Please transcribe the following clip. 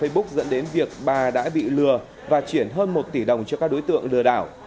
bà đã bị lừa và chuyển hơn một tỷ đồng cho các đối tượng lừa đảo